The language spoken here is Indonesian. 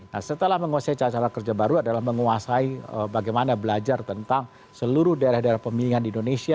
nah setelah menguasai cara cara kerja baru adalah menguasai bagaimana belajar tentang seluruh daerah daerah pemilihan di indonesia